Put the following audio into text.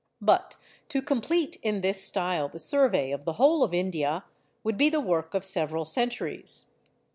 But to complete in this style the survey of the whole of India would be the work of several centuries.